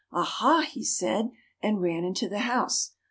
"Aha!" he said, and ran into the house.